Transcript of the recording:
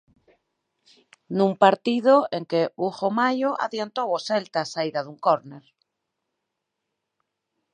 Nun partido en que Hugo Mallo adiantou o Celta á saída dun córner.